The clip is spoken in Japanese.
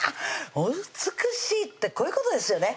お美しいってこういうことですよね！